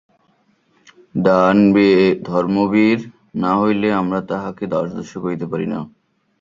ধর্মবীর না হইলে আমরা তাঁহাকে আদর্শ করিতে পারি না।